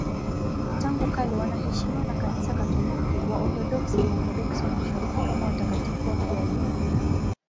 Tangu kale wanaheshimiwa na Kanisa Katoliki, Waorthodoksi na Waorthodoksi wa Mashariki kama watakatifu wafiadini.